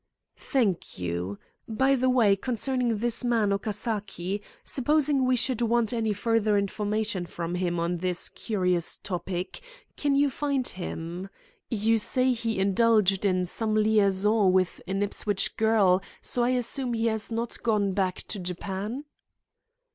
"Thank you. By the way, concerning this man, Okasaki. Supposing we should want any further information from him on this curious topic, can you find him? You say he indulged in some liaison with an Ipswich girl, so I assume he has not gone back to Japan."